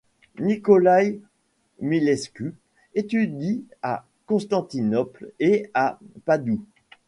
Nicolae Milescu étudie à Constantinople et à Padoue.